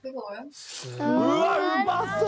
うわっうまそう！